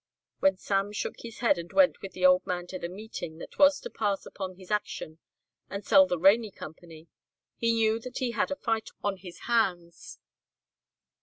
When Sam shook his head and went with the old man to the meeting that was to pass upon his action and sell the Rainey Company, he knew that he had a fight on his hands.